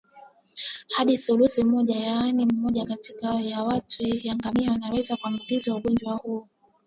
Hadi thuluthi moja yaani mmoja kati ya watatu ya ngamia wanaweza kuambukizwa ugonjwa huu